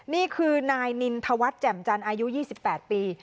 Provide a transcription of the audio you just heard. นี่คือนายนินทวัฒน์แจ่มจันทร์อายุ๒๘ปี